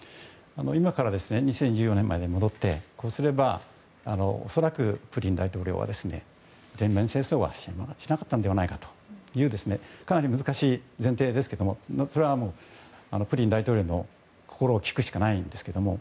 今から２０１４年の時に戻ってこうすれば恐らくプーチン大統領は全面戦争はしなかったのではないかというかなり難しい前提ですけれどもそれはプーチン大統領の心を聞くしかないんですけども。